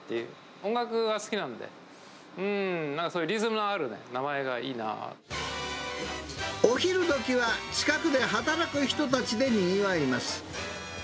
音楽が好きなんで、なんかそういお昼どきは、近くで働く人たちでにぎわいます。